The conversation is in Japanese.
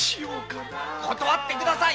断ってください。